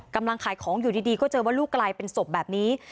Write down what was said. กำลังขายของอยู่ดีก็เจอว่าลูกกลายเป็นศพแบบนี้